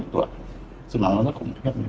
có khoảng bàn công không ạ